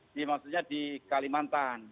ini maksudnya di kalimantan